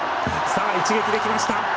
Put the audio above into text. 一撃できました！